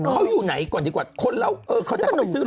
เขาอยู่ไหนกว่าดีกว่าคนแล้วเขาจะเข้าไปซื้อแล้ว